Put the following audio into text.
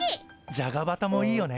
じゃがバタもいいよね。